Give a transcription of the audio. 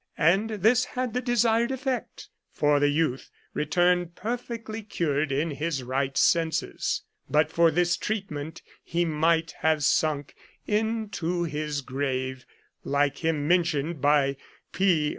And this had the desired effect ; for the youth returned perfectly cured and in his right senses. But for this treatment he might have sunk into 121 Curiosities of Olden Times his grave, like him mentioned by P.